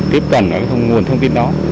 tiếp cận nguồn thông tin đó